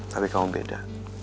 tapi kamu beda